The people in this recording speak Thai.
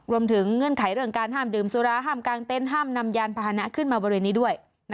เงื่อนไขเรื่องการห้ามดื่มสุราห้ามกลางเต็นต์ห้ามนำยานพาหนะขึ้นมาบริเวณนี้ด้วย